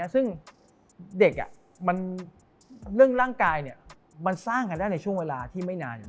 ซึ่งเด็กเรื่องร่างกายมันสร้างกันได้ในช่วงเวลาที่ไม่นาน